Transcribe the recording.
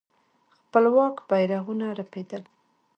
خپلواک بيرغونه رپېدل.